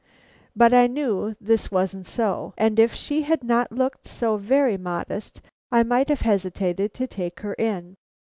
"But I knew this wasn't so; and if she had not looked so very modest, I might have hesitated to take her in.